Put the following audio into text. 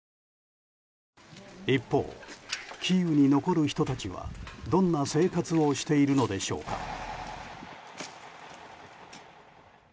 一方、キーウに残る人たちはどんな生活をしているのでしょうか。